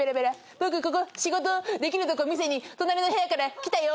「僕ここ仕事できるとこ見せに隣の部屋から来たよ」